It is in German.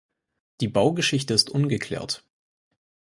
Die Baugeschichte ist ungeklärt.